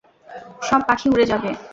সব পাখি উড়ে যাবে।